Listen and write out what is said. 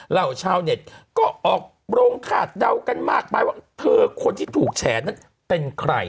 เหล่าชาวเน็ตก็ออกโรงคาดเดากันมากไปว่าเธอคนที่ถูกแฉนั้นเป็นใคร